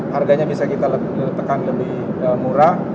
harganya bisa kita tekan lebih murah